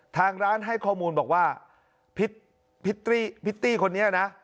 ทางร้านให้ข้อมูลบอกว่าพิตตี้คนนี้นะ